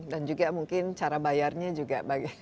dan juga mungkin cara bayarnya juga